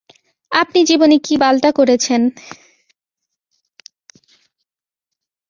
আপনি জীবনে কি বালটা করেছেন?